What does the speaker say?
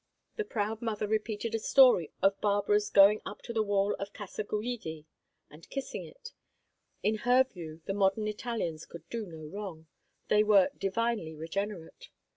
The proud mother repeated a story of Barbara's going up to the wall of Casa Guidi and kissing it. In her view, the modern Italians could do no wrong; they were divinely regenerate.